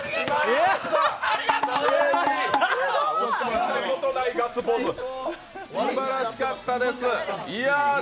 見たことないガッツポーズ、すばらしかったです。